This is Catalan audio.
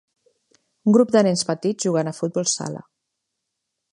Un grup de nens petits jugant a futbol sala.